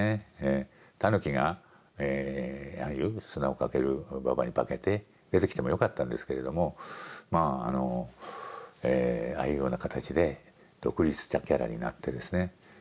タヌキがああいう砂をかける婆に化けて出てきてもよかったんですけれどもまああのああいうような形で独立したキャラになってですね